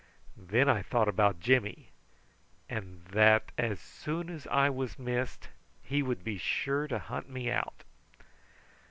Then I thought about Jimmy, and that as soon as I was missed he would be sure to hunt me out.